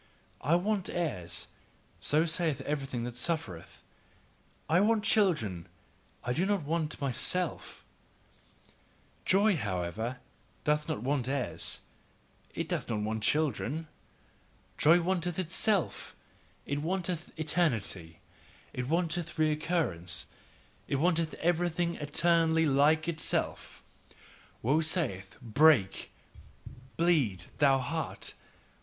"I want heirs," so saith everything that suffereth, "I want children, I do not want MYSELF," Joy, however, doth not want heirs, it doth not want children, joy wanteth itself, it wanteth eternity, it wanteth recurrence, it wanteth everything eternally like itself. Woe saith: "Break, bleed, thou heart!